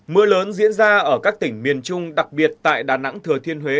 mưa lớn diễn ra ở các tỉnh miền trung đặc biệt tại đà nẵng thừa thiên huế